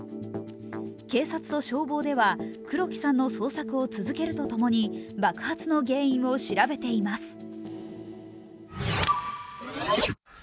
警察と消防では、黒木さんの捜索を続けるとともに、爆発の原因を調べています。